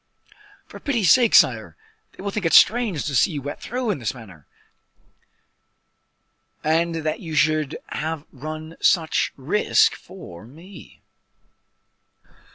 "For pity's sake, sire! they will think it strange to see you wet through, in this manner, and that you should have run such risk for me."